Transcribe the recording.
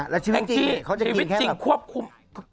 แล้วชีวิตจริงเขาจะกินแค่แบบ